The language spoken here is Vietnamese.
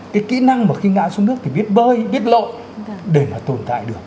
cái kỹ năng mà khi ngã xuống nước thì biết bơi biết lộ để mà tồn tại được